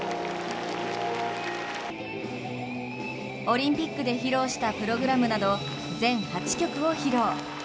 オリンピックで披露したプログラムなど全８曲を披露。